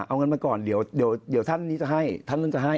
เอาเงินมาก่อนเดี๋ยวท่านนี้จะให้ท่านนู้นจะให้